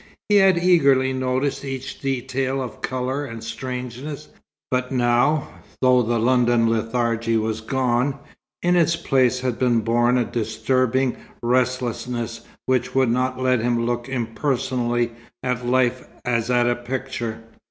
He had eagerly noticed each detail of colour and strangeness, but now, though the London lethargy was gone, in its place had been born a disturbing restlessness which would not let him look impersonally at life as at a picture.